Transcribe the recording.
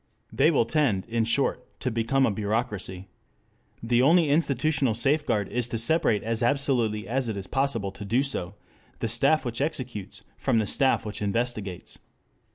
They will tend, in short, to become a bureaucracy. The only institutional safeguard is to separate as absolutely as it is possible to do so the staff which executes from the staff which investigates.